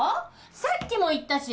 さっきも言ったし！